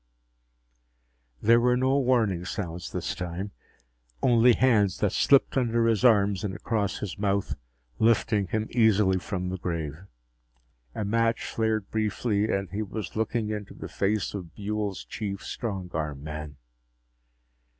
There were no warning sounds this time only hands that slipped under his arms and across his mouth, lifting him easily from the grave. A match flared briefly and he was looking into the face of Buehl's chief strong arm man.